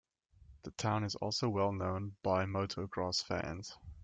The town is also well known by motocross fans.